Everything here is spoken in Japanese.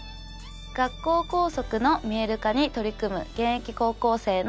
学校校則の見える化に取り組む現役高校生の神谷航平さんです。